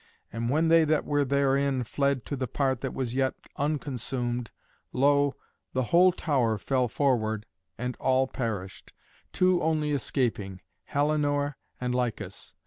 And when they that were therein fled to the part that was yet unconsumed, lo! the whole tower fell forward, and all perished, two only escaping, Helenor and Lycus.